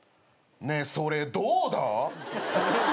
ねえそれどうだ？